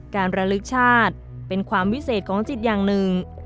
ระลึกชาติเป็นความวิเศษของจิตอย่างหนึ่ง